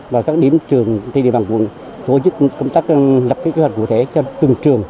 và các điểm trường địa bàn quân tổ chức công tác lập kế hoạch cụ thể cho từng trường